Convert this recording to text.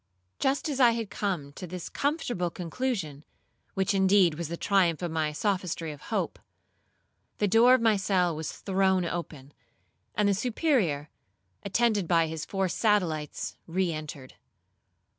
Just as I had come to this comfortable conclusion, which indeed was the triumph of the sophistry of hope, the door of my cell was thrown open, and the Superior, attended by his four satellites re entered.